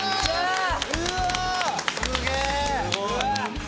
すげえ！